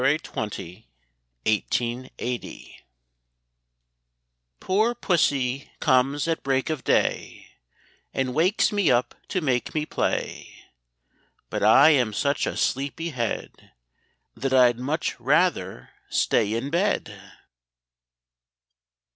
Poor pussy comes at break of day, And wakes me up to make me play; But I am such a sleepy head, That I'd much rather stay in bed!